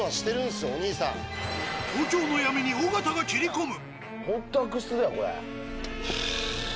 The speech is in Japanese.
東京の闇に尾形が斬り込む。